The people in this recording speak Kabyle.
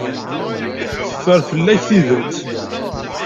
Teffer fell-ak tidet.